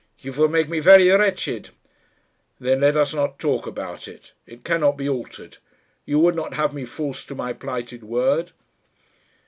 "You will make me very wretched." "Then let us not talk about it. It cannot be altered. You would not have me false to my plighted word?"